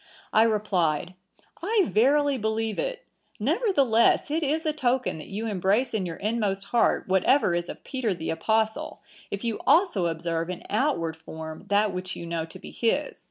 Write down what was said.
I replied, 'I verily believe it; nevertheless it is a token that you embrace in your inmost heart whatever is of Peter the Apostle, if you also observe in outward form that which you know to be his.